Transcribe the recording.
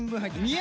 え？